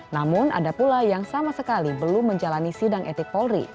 namun ada pula yang sama sekali belum menjalani sidang etik polri